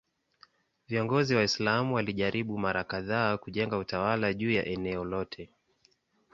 Viongozi Waislamu walijaribu mara kadhaa kujenga utawala juu ya eneo lote.